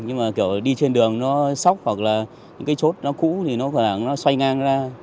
nhưng mà kiểu đi trên đường nó sóc hoặc là những cái chốt nó cũ thì nó xoay ngang ra